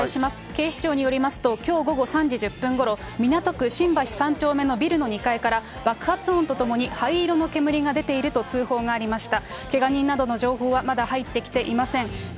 警視庁によりますと、きょう午後３時１０分ごろ、港区新橋３丁目のビルの２階から、爆発音とともに灰色の煙が出ていると通報がありました。